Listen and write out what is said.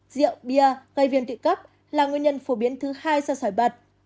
rượu bia gây viêm tự cấp là nguyên nhân phổ biến thứ hai do sỏi bật